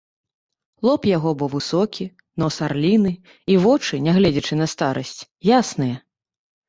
Лоб яго быў высокі, нос арліны і вочы, нягледзячы на старасць, ясныя.